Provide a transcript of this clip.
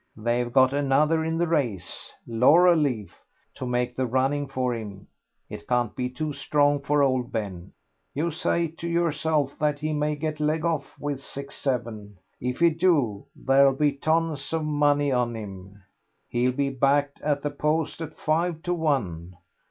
They've got another in the race, Laurel Leaf, to make the running for him; it can't be too strong for old Ben. You say to yourself that he may get let off with six seven. If he do there'll be tons of money on him. He'll be backed at the post at five to one.